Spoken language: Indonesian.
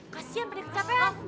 kasian pada kecapean